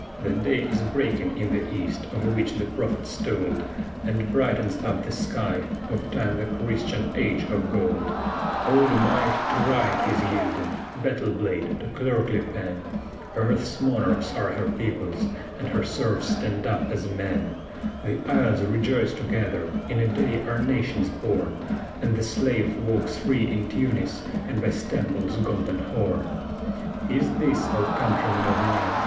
The day is breaking in the East of which the prophets told, And brightens up the sky of Time the Christian Age of Gold; Old Might to Right is yielding, battle blade to clerkly pen, Earth's monarchs are her peoples, and her serfs stand up as men; The isles rejoice together, in a day are nations born, And the slave walks free in Tunis, and by Stamboul's Golden Horn! Is this, O countrymen of mine!